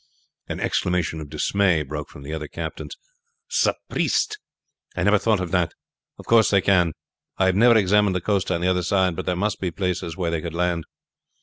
An exclamation of dismay broke from the other captains. "Sapriste! I never thought of that. Of course they can. I have never examined the coast on the other side, but there must be places where they could land."